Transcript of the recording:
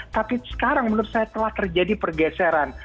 tapi sekarang menurut saya telah terjadi pergeseran